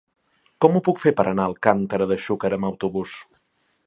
Com ho puc fer per anar a Alcàntera de Xúquer amb autobús?